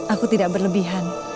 aku tidak berlebihan